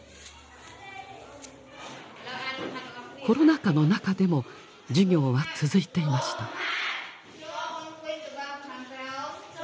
コロナ禍の中でも授業は続いていました。